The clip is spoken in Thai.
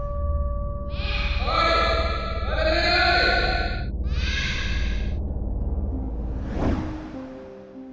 เฮ้ย